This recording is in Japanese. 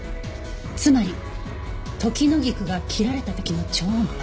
つまりトキノギクが切られた時の超音波。